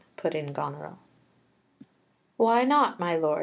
put in Goneril. "Why not, my lord?"